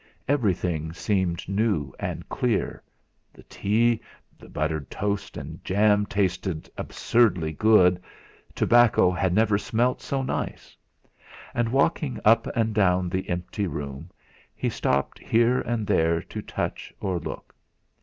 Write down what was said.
Everything seemed new and clear; the tea, the buttered toast and jam tasted absurdly good; tobacco had never smelt so nice. And walking up and down the empty room, he stopped here and there to touch or look.